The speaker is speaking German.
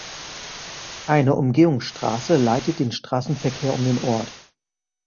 Eine Umgehungsstraße leitet den Straßenverkehr um den Ort.